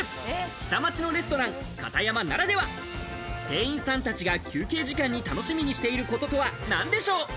下町のレストランカタヤマならでは店員さんたちが休憩時間に楽しみにしていることとは何でしょう。